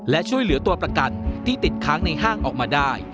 และช่วยเหลือตัวประกันที่ติดค้างในห้างออกมาได้